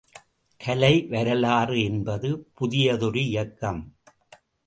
கலை வரலாறு என்பது புதியதொரு இயக்கம்.